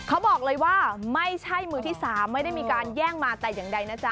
เขาบอกเลยว่าไม่ใช่มือที่๓ไม่ได้มีการแย่งมาแต่อย่างใดนะจ๊